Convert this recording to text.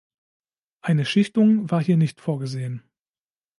Eine Schichtung war hier nicht vorgesehen.